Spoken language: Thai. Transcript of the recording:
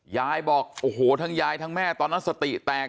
ยายบอกโอ้โหทั้งยายทั้งแม่ตอนนั้นสติแตก